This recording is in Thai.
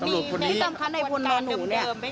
มีข้อมูลในฝนมณูนี้